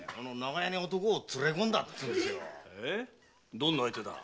どんな相手だ？